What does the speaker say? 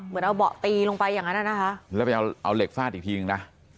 เหมือนเอาเบาะตีลงไปอย่างนั้นนะคะแล้วไปเอาเอาเหล็กฟาดอีกทีนึงนะ